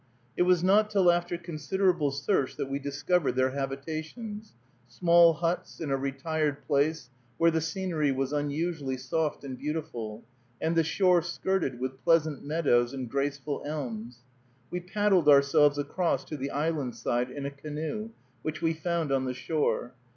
It was not till after considerable search that we discovered their habitations, small huts, in a retired place, where the scenery was unusually soft and beautiful, and the shore skirted with pleasant meadows and graceful elms. We paddled ourselves across to the island side in a canoe, which we found on the shore.